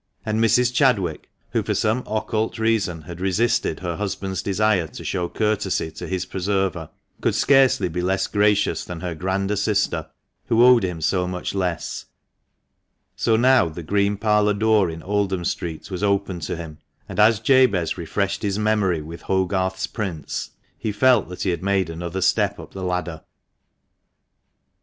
And Mrs. Chadwick, who for some occult reason had resisted her husband's desire to show courtesy to his preserver, could scarcely be less gracious than her grander sister, who owed him so much less ; so now the green parlour door in Oldham Street was opened to him, and as Jabez refreshed his memory with 244 THE MANCHESTER MAN. Hogarth's prints, he felt that he had made another step up the ladder.